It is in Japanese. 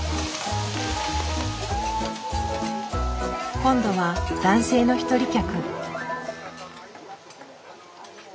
今度は男性の一人客。